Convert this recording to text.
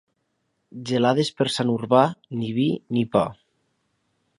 Gelades per Sant Urbà, ni vi ni pa.